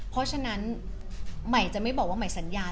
เพราะฉะนั้นใหม่จะไม่บอกว่าใหม่สัญญา